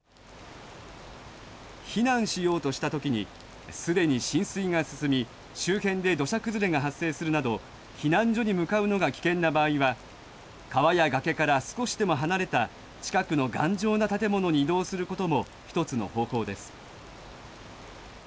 避難しようとしたときにすでに浸水が進み、周辺で土砂崩れが発生するなど避難所に向かうのが危険な場合は川や崖から少しでも離れた近くの頑丈な建物に移動することも１つの方法です。